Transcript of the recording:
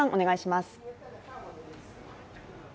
お願いします。